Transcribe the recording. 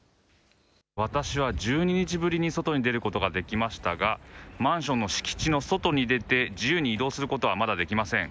私は１２日ぶりに外に出ることができましたが、マンションの敷地の外に出て自由に移動することは、まだできません。